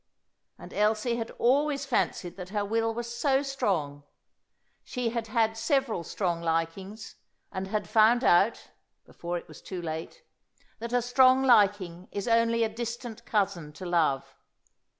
And Elsie had always fancied that her will was so strong. She had had several strong likings, and had found out (before it was too late) that a strong liking is only a distant cousin to love.